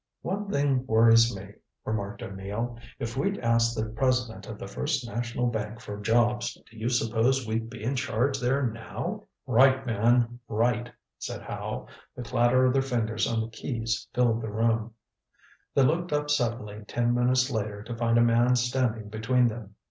"One thing worries me," remarked O'Neill. "If we'd asked the president of the First National Bank for jobs, do you suppose we'd be in charge there now?" "Write, man, write," said Howe. The clatter of their fingers on the keys filled the room. They looked up suddenly ten minutes later to find a man standing between them.